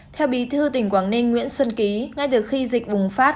theo bí thư tỉnh quảng ninh nguyễn xuân ký ngay từ khi dịch bùng phát